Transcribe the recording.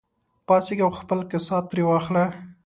پاڅېږه او خپل کسات ترې واخله.